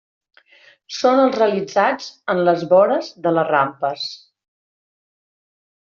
Són els realitzats en les vores de les rampes.